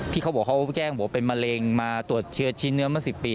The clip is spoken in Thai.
ที่เขาบอกว่าเขาแจ้งเป็นมะเร็งมาตรวจเชือชิ้นเนื้อมา๑๐ปี